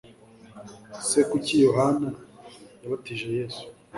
se kuki yohana yabatije yesu